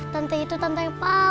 tante itu tante yang paling baik